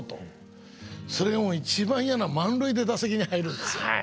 それがもう一番嫌な満塁で打席に入るんですよ。